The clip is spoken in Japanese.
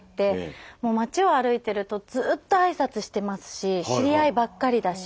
街を歩いてるとずっと挨拶してますし知り合いばっかりだし。